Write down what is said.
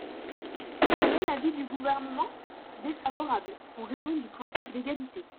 Quel est l’avis du Gouvernement ? Défavorable, en raison du principe d’égalité.